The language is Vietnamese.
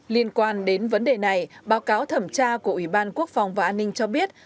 liên quan đến vấn đề này báo cáo thẩm tra của ủy ban quốc phòng và an ninh cho biết